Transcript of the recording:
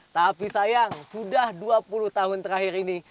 tapi sayang sudah dua puluh tahun terakhir ini